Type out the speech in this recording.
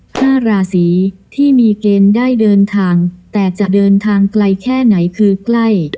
ห้าราศีที่มีเกณฑ์ได้เดินทางแต่จะเดินทางไกลแค่ไหนคือใกล้